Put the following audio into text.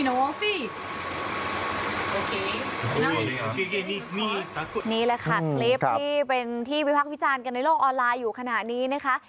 นี่แหละค่ะคลิปที่เป็นที่วิพักษ์วิจารณ์กันในโลกออนไลน์อยู่ขณะนี้นะคะ